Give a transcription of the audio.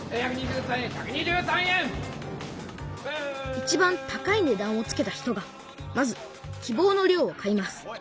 いちばん高いねだんをつけた人がまず希望の量を買います。